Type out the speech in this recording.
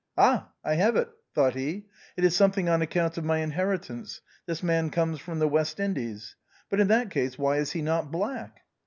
"Ah ! I have it," thought he, " it is something on ac count of my inheritance, this man comes from the West Indies. But in that case why is he not black